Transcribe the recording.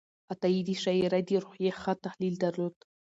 عطایي د شاعرۍ د روحیې ښه تحلیل درلود.